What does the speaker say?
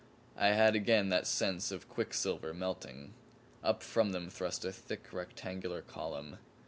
I had again that sense of a quicksilver melting. Up from them thrust a thick rectangular column.